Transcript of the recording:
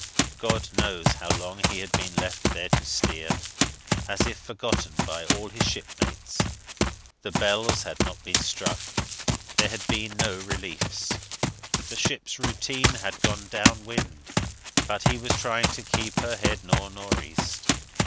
God knows how long he had been left there to steer, as if forgotten by all his shipmates. The bells had not been struck; there had been no reliefs; the ship's routine had gone down wind; but he was trying to keep her head north north east.